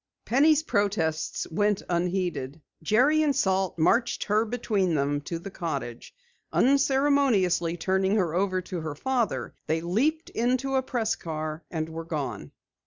Penny's protests went unheeded. Jerry and Salt marched her between them to the cottage. Unceremoniously turning her over to her father, they leaped into a press car, and were gone.